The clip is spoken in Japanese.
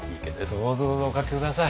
どうぞどうぞおかけ下さい。